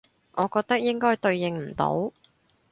我覺得應該對應唔到